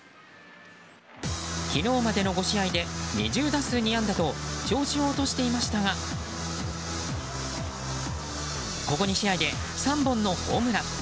昨日までの５試合で２０打数２安打と調子を落としていましたがここ２試合で、３本のホームラン。